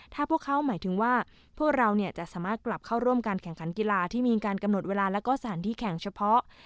ถ้าพวกเขาหมายถึงว่าพวกเราจะสามารถกลับเข้าร่วมการแข่งขันกีฬาที่มีการกำหนดเวลาแล้วก็สถานที่แข่งเฉพาะ